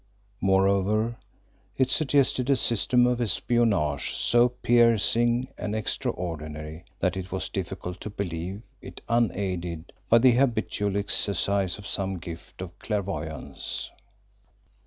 Moreover it suggested a system of espionage so piercing and extraordinary that it was difficult to believe it unaided by the habitual exercise of some gift of clairvoyance.